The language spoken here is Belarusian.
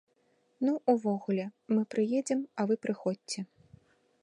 Ну, увогуле, мы прыедзем, а вы прыходзьце.